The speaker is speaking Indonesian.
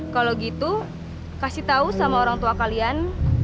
kalau gitu kasih tau sama orang tua kalian